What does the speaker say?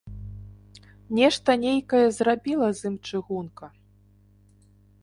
Нешта нейкае зрабіла з ім чыгунка.